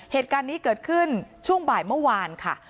เหตุการณ์นี้เกิดขึ้นช่วงบ่ายเมื่อวานค่ะ